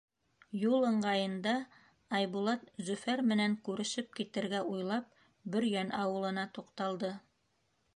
Юл ыңғайында Айбулат, Зөфәр менән күрешеп китергә уйлап, Бөрйән ауылына туҡталды.